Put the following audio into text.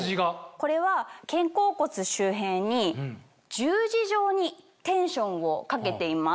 これは肩甲骨周辺に十字状にテンションをかけています。